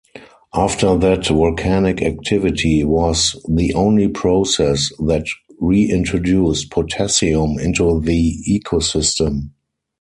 After that, volcanic activity was the only process that reintroduced potassium into the ecosystem.